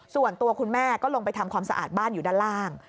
ส่วนตัวคุณแม่ก็ลงไปทำความสะอาดบ้านอยู่ด้านล่าง